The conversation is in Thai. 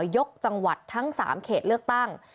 ยกจังหวัดทั้ง๓เขตเลือกตั้ง